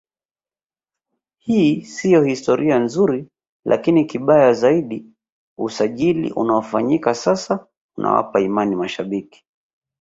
Hii sio historia nzuri lakini kibaya zaidi usajili unaofanyika sasa unawapa imani mashabiki